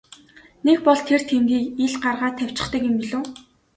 Нэг бол тэр тэмдгийг ил гаргаад тавьчихдаг юм билүү.